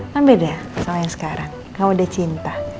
kan beda sama yang sekarang kau udah cinta